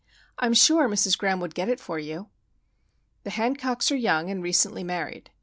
I'm sure Mrs. Graham would get it for you." The Hancocks are young, and recently married.